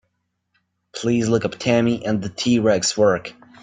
Please look up Tammy and the T-Rex work.